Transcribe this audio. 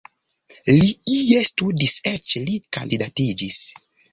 Li ie studis, eĉ li kandidatiĝis.